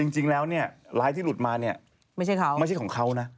จริงแล้วเนี่ยร้ายที่หลุดมาเนี่ยไม่ใช่เขาไม่ใช่ของเขานะ